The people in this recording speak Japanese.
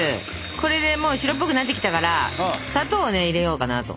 これでもう白っぽくなってきたから砂糖をね入れようかなと。